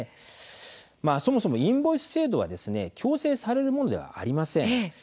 そもそもインボイス制度というのは強制されるものではありません。